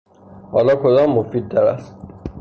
حالا کدام مفیدتر است؟